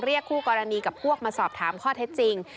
คู่กรณีกับพวกมาสอบถามข้อเท็จจริง